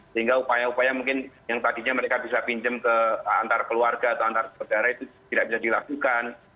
sehingga upaya upaya mungkin yang tadinya mereka bisa pinjam ke antar keluarga atau antar saudara itu tidak bisa dilakukan